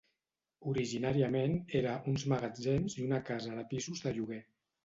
Originàriament era uns magatzems i una casa de pisos de lloguer.